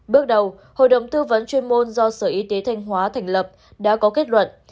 bước đầu hội đồng tư vấn chuyên môn do sở y tế thanh hóa thành lập đã có kết luận